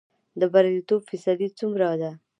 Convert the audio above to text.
د بریالیتوب فیصدی څومره ده؟